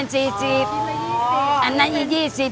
สิเนี้ยถ้าหนูเติมแต่ละอย่างก็กินบวกเพิ่ม